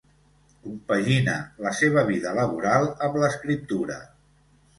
Compagina la seva vida laboral amb l'escriptura.